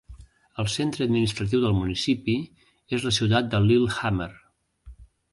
El centre administratiu del municipi és la ciutat de Llilehammer.